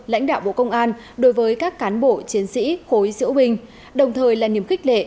lãnh đạo bộ công an đối với các cán bộ chiến sĩ khối diễu binh đồng thời là niềm khích lệ